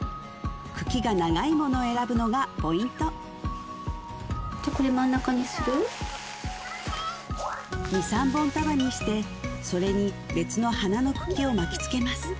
茎が長いものを選ぶのがポイント２３本束にしてそれに別の花の茎を巻きつけます